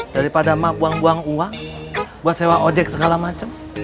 daripada buang buang uang buat sewa ojek segala macam